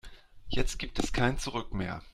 Jetzt gibt es kein Zurück mehr.